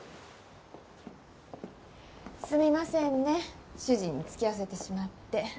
すみませんね主人に付き合わせてしまって。